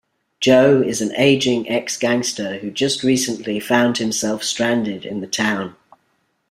Jo is an aging ex-gangster who just recently found himself stranded in the town.